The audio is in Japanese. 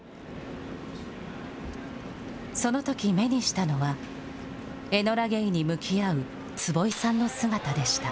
そのとき目にしたのは、エノラ・ゲイに向き合う坪井さんの姿でした。